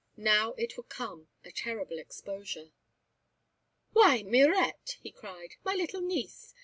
Now it would come a terrible exposure! "Why, Mirette," he cried, "my little niece!